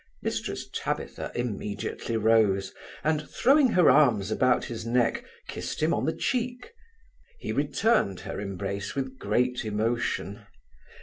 Mrs Tabitha immediately rose, and, throwing her arms about his neck, kissed him on the cheek: he returned her embrace with great emotion.